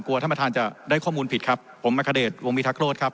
ท่านประธานจะได้ข้อมูลผิดครับผมอัคเดชวงวิทักโรธครับ